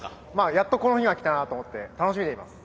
やっとこの日がきたなと思って楽しみでいます。